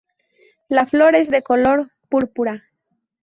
La flor es de color púrpura.